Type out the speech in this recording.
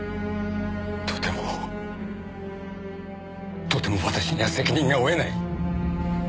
とてもとても私には責任が負えない。